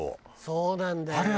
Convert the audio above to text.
そうなんだよね。